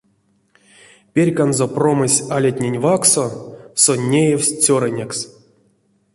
Перьканзо промозь алятнень вакссо сон неявсь цёрынекс.